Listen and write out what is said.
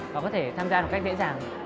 và có thể tham gia được cách dễ dàng